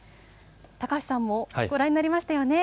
高橋さんもご覧になりましたよね。